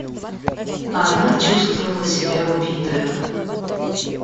Она чувствовала себя убитою.